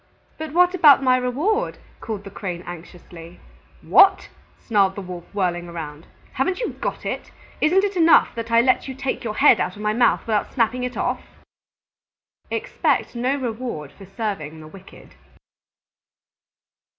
"But what about my reward!" called the Crane anxiously. "What!" snarled the Wolf, whirling around. "Haven't you got it? Isn't it enough that I let you take your head out of my mouth without snapping it off?" _Expect no reward for serving the wicked.